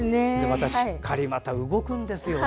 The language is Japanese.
しっかり動くんですよね。